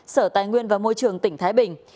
sở tài nguyên và môi trường tỉnh thái bình